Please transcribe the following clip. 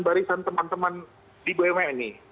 barisan teman teman di bumn ini